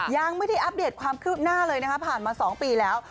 ยังไม่ได้อัปเดตความคืบหน้าเลยนะคะผ่านมา๒ปีแล้ว